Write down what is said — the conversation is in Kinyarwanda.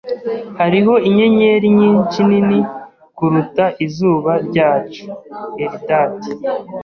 Hariho inyenyeri nyinshi nini kuruta izuba ryacu. (Eldad)